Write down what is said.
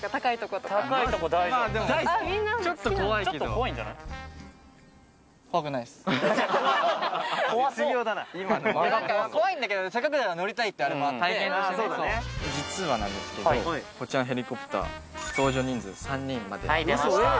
ちょっと怖いけど実はなんですけどこちらのヘリコプター搭乗人数３人まではい出ました！